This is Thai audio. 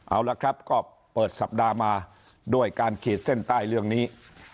เอาละครับก็เปิดสัปดาห์มาด้วยการขีดเส้นใต้เรื่องนี้